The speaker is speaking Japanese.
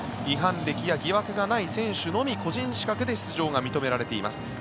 違反歴や疑惑がない選手のみ個人資格で出場が認められています。